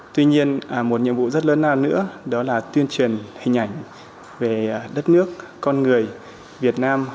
tuy nhiên một nhiệm vụ rất lớn lao nữa đó là tuyên truyền hình ảnh về đất nước con người việt nam